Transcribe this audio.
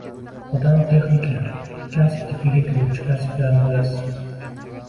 “Odam – texnika” kasb tipiga kiruvchi kasblarni bilasizmi